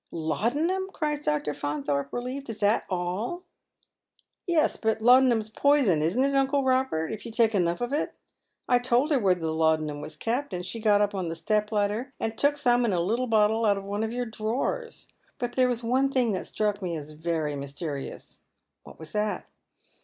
" Laudanum ?" cries Dr. Faunthorpe, relieved. " Is that all ?"" Yes, but laudanum's poison, isn't it, uncle Eobert, if you take enough of it ? I told her where the laudanum was kept, and she got up on the step ladder and took some in a little bottle out of one of your drawers. But there was one thing that struck me as very mysterious." " What was that